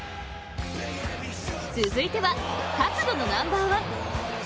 続いては角度のナンバーワン。